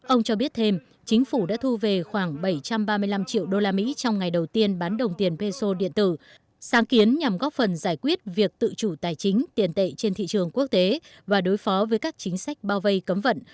ông cho biết thêm chính phủ đã thu về khoảng bảy trăm ba mươi năm triệu usd trong ngày đầu tiên bán đồng tiền peso điện tử sáng kiến nhằm góp phần giải quyết việc tự chủ tài chính tiền tệ trên thị trường quốc tế và đối phó với các chính sách bao vây cấm vận